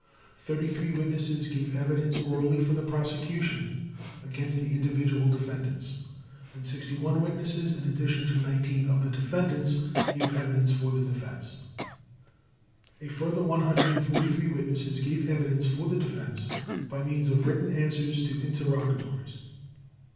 Thirty three witnesses gave evidence orally for the Prosecution against the individual defendants and 61 witnesses, in addition to 19 of the defendants, gave evidence for the Defense. A further 143 witnesses gave evidence for the Defense by means of written answers to interrogatories.